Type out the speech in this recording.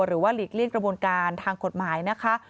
หลีกเลี่ยงกระบวนการทางกฎหมายนะคะ